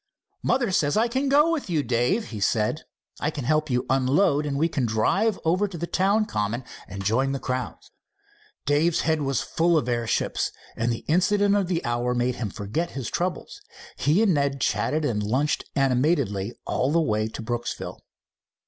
"Mother says I can go with you, Dave," he said. "I can help you unload, and we can drive over to the town common and join the crowds." Dave's head was full of airships, and the incident of the hour made him forget his troubles. He and Ned chatted and lunched animatedly all the way to Brookville.